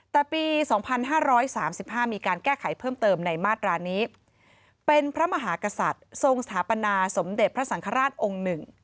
แต่ปี๒๕๓๕มีการแก้ไขเพิ่มเติมในมาตรานี้เป็นพระมหากษัตริย์ทรงสถาปนาสมเด็จพระสังฆราชองค์๑